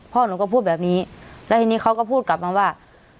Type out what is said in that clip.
พ่อหนูก็พูดแบบนี้แล้วทีนี้เขาก็พูดกลับมาว่า